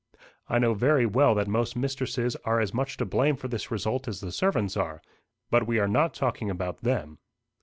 I know very well that most mistresses are as much to blame for this result as the servants are; but we are not talking about them.